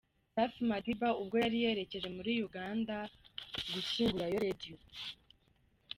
Safi Madiba ubwo yari yerekeje muri Uganda gushyingura Radio.